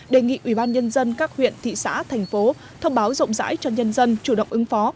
đề nghị ubnd các huyện thị xã thành phố thông báo rộng rãi cho nhân dân chủ động ứng phó